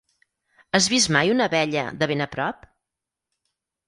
Has vist mai una abella de ben a prop?